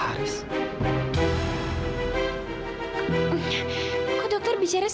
apa kabar len